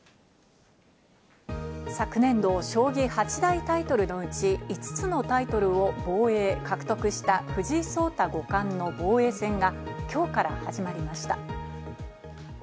昨年度、将棋８大タイトルのうち、５つのタイトルを防衛・獲得した藤井聡太五冠の防衛戦が、今日から始まりました。